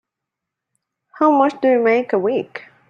How much do you make a week?